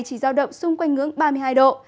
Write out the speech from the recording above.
chỉ giao động xung quanh ngưỡng ba mươi hai độ